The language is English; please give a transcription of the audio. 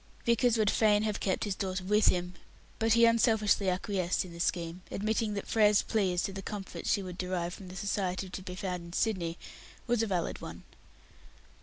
Vickers would fain have kept his daughter with him, but he unselfishly acquiesced in the scheme, admitting that Frere's plea as to the comforts she would derive from the society to be found in Sydney was a valid one.